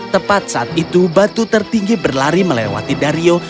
tepat saat itu batu tertinggi berlari melewati dario